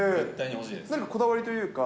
何かこだわりというか。